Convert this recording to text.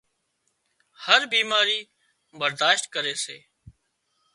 هر بيماري برادشت ڪري سي